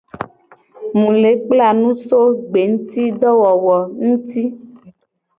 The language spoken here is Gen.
Mu le kpla nu so gbengutidowowo nguti.